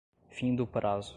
Findo o prazo